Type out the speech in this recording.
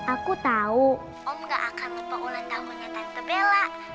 aku tahu om gak akan lupa ulang tahunnya tante bela